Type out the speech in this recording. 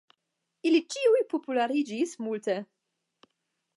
Ili ĉiuj populariĝis multe.